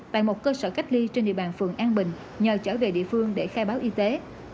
tại một cơ sở cách ly trên địa bàn phường an bình nhờ trở về địa phương để khai báo y tế